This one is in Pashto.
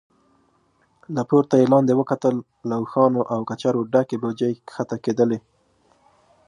له پورته يې لاندې وکتل، له اوښانو او کچرو ډکې بوجۍ کښته کېدلې.